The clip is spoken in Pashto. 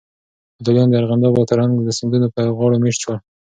ابداليان د ارغنداب او ترنک سيندونو پر غاړو مېشت شول.